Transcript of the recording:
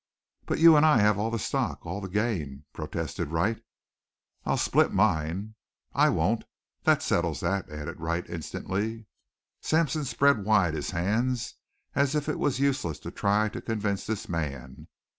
"But you and I have all the stock all the gain," protested Wright. "I'll split mine." "I won't that settles that," added Wright instantly. Sampson spread wide his hands as if it was useless to try to convince this man.